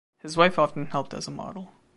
His wife often helped as a model.